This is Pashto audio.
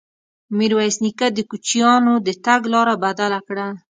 ميرويس نيکه د کوچيانو د تګ لاره بدله کړه.